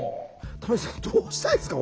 玉木さんどうしたらいいですか？